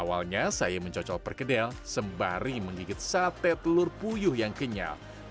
awalnya saya mencocol perkedel sembari menggigit sate telur puyuh yang kenyal